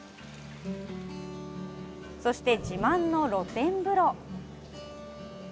そして自慢の露天風呂。